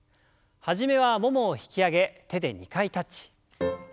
初めはももを引き上げ手で２回タッチ。